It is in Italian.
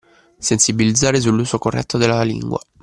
Sensibilizzare sull’uso corretto della lingua